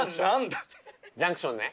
ジャンクションね。